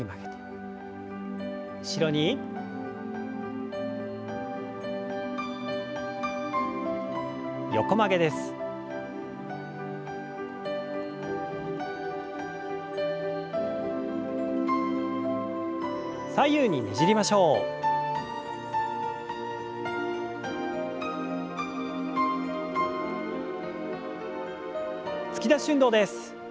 突き出し運動です。